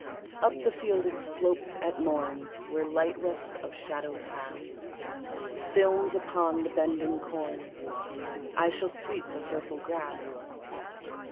Up the fielded slopes at morn, Where light wefts of shadow pass, Films upon the bending corn, I shall sweep the purple grass.